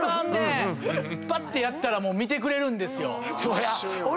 ぱってやったらもう見てくれるんですよ。